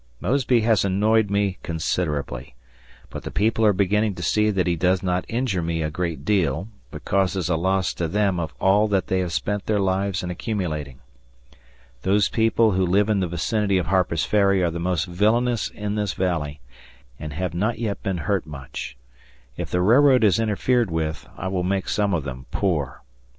Mosby has annoyed me considerably; but the people are beginning to see that he does not injure me a great deal, but causes a loss to them of all that they have spent their lives in accumulating. Those people who live in the vicinity of Harper's Ferry are the most villainous in this valley, and have not yet been hurt much. If the railroad is interfered with, I will make some of them poor.